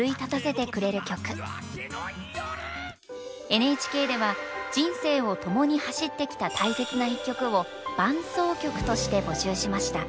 ＮＨＫでは人生を伴に走ってきた大切な一曲を“伴走曲”として募集しました。